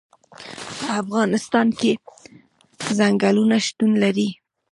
په افغانستان کې ځنګلونه شتون لري.